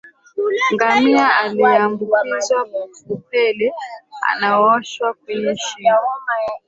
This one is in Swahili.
Ngamia aliyeambukizwa upele unaowasha kwenye shingo